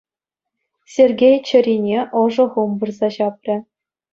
Сергей чӗрине ӑшӑ хум пырса ҫапрӗ.